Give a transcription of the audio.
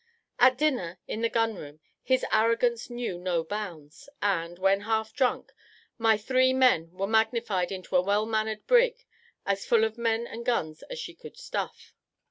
At dinner, in the gun room, his arrogance knew no bounds; and, when half drunk, my three men were magnified into a well manned brig, as full of men and guns as she could stuff!